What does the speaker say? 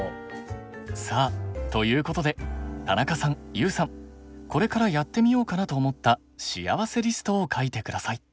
さあということで田中さんＹＯＵさんこれからやってみようかなと思ったしあわせリストを書いて下さい。